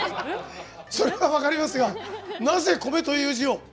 それは分かりますがなぜ米という字を？